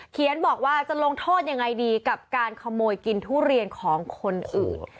บอกว่าจะลงโทษยังไงดีกับการขโมยกินทุเรียนของคนอื่น